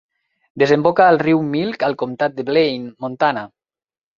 Desemboca al riu Milk al comtat de Blaine, Montana.